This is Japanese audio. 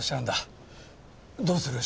どうする？